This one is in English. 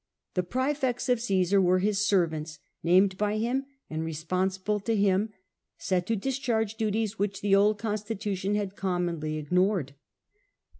The prsefects of Caesar were his servants, named by him and responsible to him, set to discharge duties which the old constitution had commonly ignored.